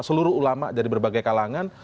seluruh ulama dari berbagai kalangan